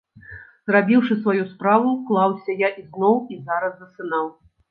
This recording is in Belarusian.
Зрабіўшы сваю справу, клаўся я ізноў і зараз засынаў.